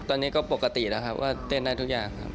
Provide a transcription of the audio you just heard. ตอนนี้ก็ปกติแล้วครับก็เต้นได้ทุกอย่างครับ